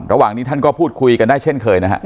ระหว่างนี้ท่านก็พูดคุยกันได้เช่นเคยนะฮะ